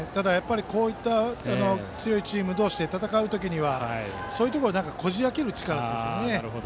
ただ、こういった強いチーム同士で戦う時にはそういうところをこじ開ける力が。